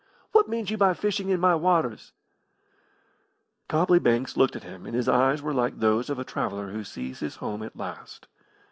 What mean you by fishing in my waters?" Copley Banks looked at him, and his eyes were like those of a traveller who sees his home at last.